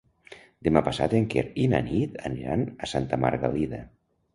Demà passat en Quer i na Nit aniran a Santa Margalida.